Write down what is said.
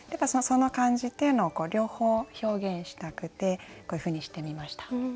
その感じっていうのを両方表現したくてこういうふうにしてみました。